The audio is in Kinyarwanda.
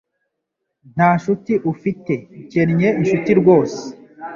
Nta nshuti ufite ukennye inshuti rwose